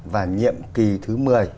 và nhiệm kỳ thứ một mươi